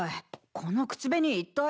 この口紅いったい。